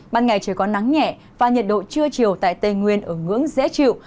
ban ngày chỉ có nắng nhẹ và nhiệt độ chưa chiều tại tây nguyên ở ngưỡng dễ chịu